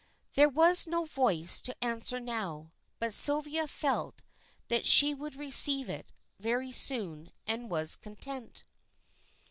There was no voice to answer now, but Sylvia felt that she would receive it very soon and was content.